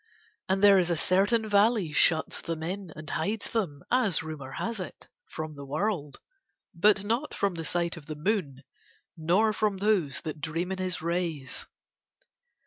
And there a certain valley shuts them in and hides them, as rumor has it, from the world, but not from the sight of the moon nor from those that dream in his rays.